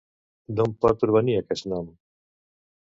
D'on pot provenir aquest nom?